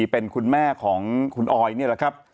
เป็นคุณแม่ของคุณออยนี่แหละครับ